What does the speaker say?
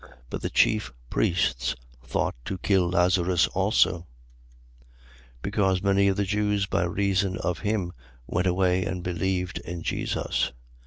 12:10. But the chief priests thought to kill Lazarus also: 12:11. Because many of the Jews, by reason of him, went away and believed in Jesus.